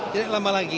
jadi lama lagi